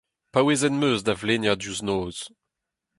Paouezet em eus da vleinañ diouzh noz.